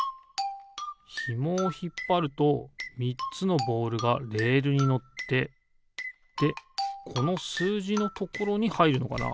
ひもをひっぱると３つのボールがレールにのってでこのすうじのところにはいるのかな？